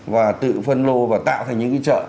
và tự phân lô và tạo thành những chợ